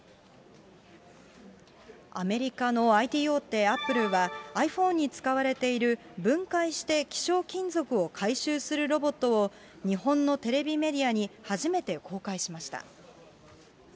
アメリカのＩＴ大手、アップルは、ｉＰｈｏｎｅに使われている分解して希少金属を回収するロボットを、日本のテレビメディアに初めて公開しました。